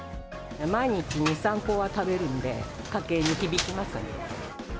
毎日２、３個は食べるので、家計に響きますかね。